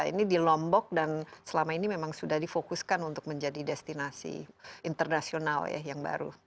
ini di lombok dan selama ini memang sudah difokuskan untuk menjadi destinasi internasional ya yang baru